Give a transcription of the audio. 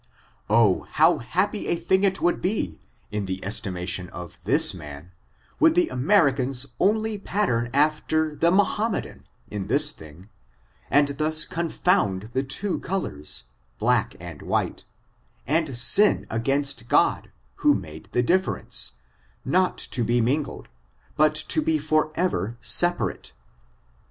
Oh, how happy a thing it would be, in the estima tion of this man, would the Americans only pattern after the Mohammedan, in this thing, and thus con found the two colors, black and white, and sin against God, who made the difference, not to be mingled, but to be forever separate.